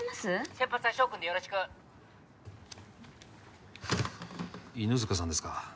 ☎先発は翔君でよろしくはあ犬塚さんですか？